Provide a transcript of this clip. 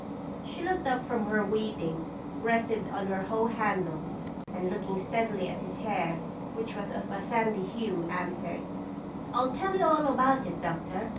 She looked up from her weeding, rested on her hoe handle, and looking steadily at his hair, which was of a sandy hue, answered: "I'll tell you all about it, Doctor.